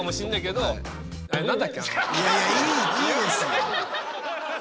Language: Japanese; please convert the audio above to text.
いやいやいいいいです。